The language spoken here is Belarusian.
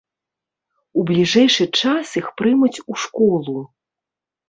У бліжэйшы час іх прымуць у школу.